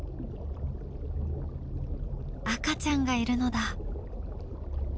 赤ちゃんがいるのだ。